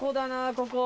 ここ。